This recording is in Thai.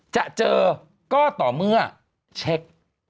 จะเจอก็ต่อเมื่อเช็ค